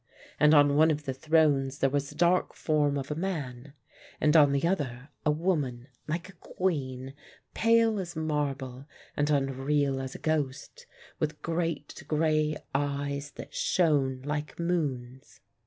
And on one of the thrones there was the dark form of a man, and on the other a woman like a queen, pale as marble, and unreal as a ghost, with great grey eyes that shone like moons.